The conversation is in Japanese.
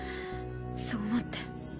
そう思って。